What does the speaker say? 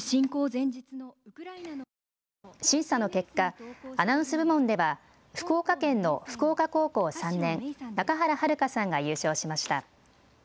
審査の結果、アナウンス部門では福岡県の福岡高校３年、中原陽花さんが優勝しました。